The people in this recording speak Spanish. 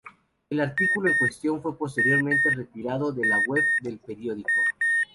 El artículo en cuestión fue posteriormente retirado de la web del periódico.